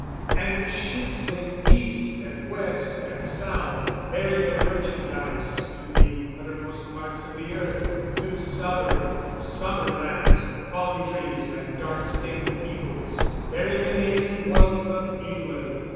And the ships went east and west and south, bearing their merchandise to the uttermost parts of the earth, to southern, summer lands of palm trees and dark skinned peoples, bearing the name and wealth of England.